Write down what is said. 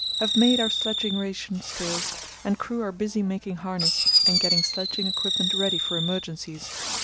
Have made our sledging ration scales, and crew are busy making harness and getting sledging equipment ready for emergencies.